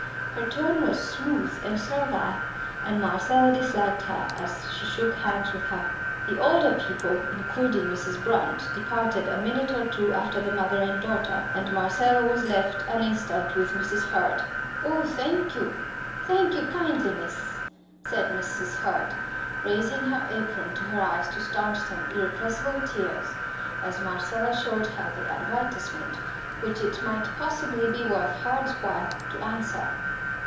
Her tone was smooth and servile, and Marcella disliked her as she shook hands with her. The other old people, including Mrs. Brunt, departed a minute or two after the mother and daughter, and Marcella was left an instant with Mrs. Hurd. "Oh, thank you, thank you kindly, miss," said Mrs. Hurd, raising her apron to her eyes to staunch some irrepressible tears, as Marcella showed her the advertisement which it might possibly be worth Hurd's while to answer.